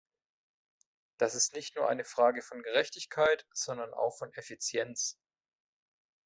Das ist nicht nur eine Frage von Gerechtigkeit, sondern auch von Effizienz.